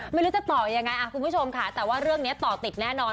ไม่รู้จะต่อยังไงคุณผู้ชมค่ะแต่ว่าเรื่องนี้ต่อติดแน่นอน